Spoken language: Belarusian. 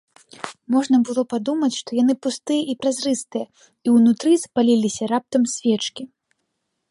Можна было падумаць, што яны пустыя і празрыстыя і ўнутры запаліліся раптам свечкі.